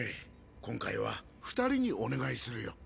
今回は２人にお願いするよ。